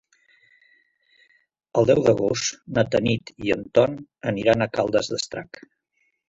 El deu d'agost na Tanit i en Ton aniran a Caldes d'Estrac.